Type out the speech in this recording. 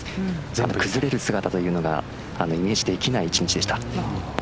全部崩れる姿というのがイメージできない一日でした。